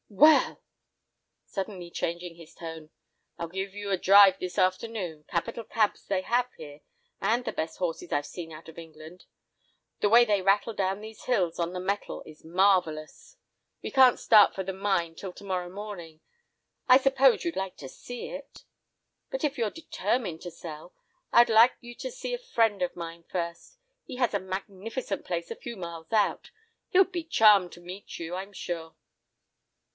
Well!"—suddenly changing his tone—"I'll give you a drive this afternoon, capital cabs they have here, and the best horses I've seen out of England. The way they rattle down these hills on the metal is marvellous! We can't start for the mine till to morrow morning; I suppose you'd like to see it? But if you're determined to sell, I'd like you to see a friend of mine first. He has a magnificent place a few miles out. He'd be charmed to meet you, I'm sure."